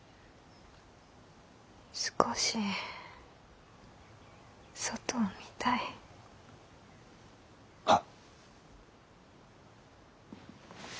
少し外を見たい。はっ。